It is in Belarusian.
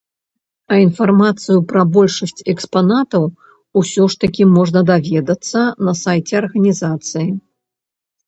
А інфармацыю пра большасць экспанатаў усё ж такі можна даведацца на сайце арганізацыі.